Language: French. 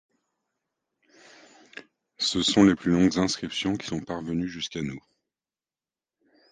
Ce sont les plus longues inscriptions qui sont parvenues jusqu'à nous.